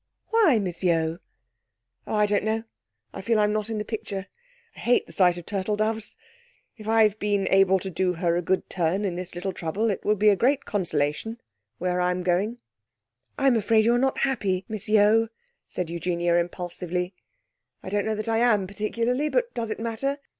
Why, Miss Yeo?' 'Oh, I don't know. I feel I'm not in the picture. I hate the sight of turtle doves. If I've been able to do her a good turn in this little trouble, it will be a great consolation where I'm going.' 'I'm afraid you're not happy, Miss Yeo?' said Eugenia impulsively. 'I don't know that I am, particularly. But does it matter?